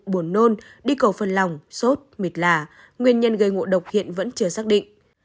buồn nôn đi cầu phân lòng sốt mịt lạ nguyên nhân gây ngộ độc hiện vẫn chưa xác định